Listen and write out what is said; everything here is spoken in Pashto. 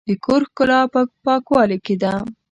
د کور ښکلا په پاکوالي کې ده.